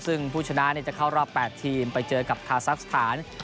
ซึ่งผู้ชนะจะเข้ารอบ๘ทีมไปเจอกับคาซักสถาน